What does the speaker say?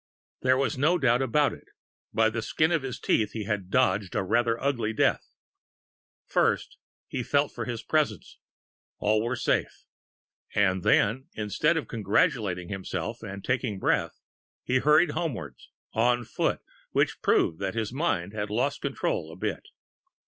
There was no doubt about it. By the skin of his teeth he had dodged a rather ugly death. First ... he felt for his presents all were safe. And then, instead of congratulating himself and taking breath, he hurried homewards on foot, which proved that his mind had lost control a bit!